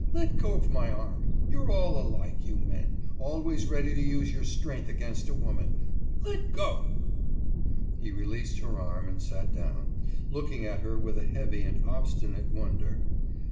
Let go of my arm! You're all alike, you men, always ready to use your strength against a woman. Let go!« He released her arm and sat down, looking at her with a heavy and obstinate wonder.